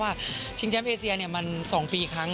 เพราะว่าชิงแชมป์เอเซียเนี่ยมันสองปีอีกครั้ง